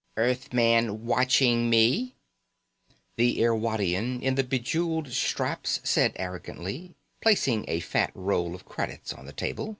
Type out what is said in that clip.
"... Earthman watching me," the Irwadian in the be jeweled straps said arrogantly, placing a fat roll of credits on the table.